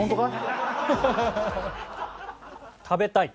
食べたい。